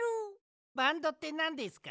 バンドってなんですか？